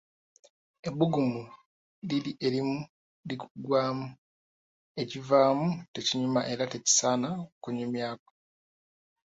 Ebbugumu liri erimu likuggwaamu ekivaamu tekinyuma era tekisaana kunyumyako.